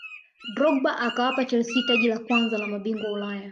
drogba akawapa chelsea taji la kwanza la mabingwa ulaya